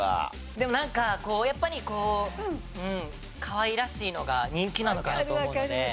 でもなんかやっぱりこうかわいらしいのが人気なのかなと思うので。